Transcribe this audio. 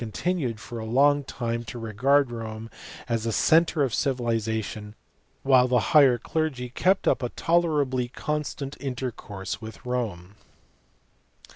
139 continued for a long time to regard Rome as the centre of civilization, while the higher clergy kept up a tolerably constant intercourse witji Rome.